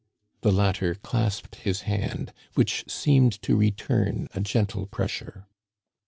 The latter clasped his hand, which seemed to return a gentle pressure.